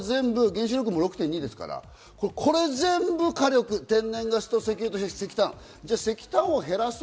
原子力も６．２ですから、これ全部火力、天然ガスと石油、そして石炭。